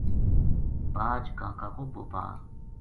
باج کاکا کو بوپار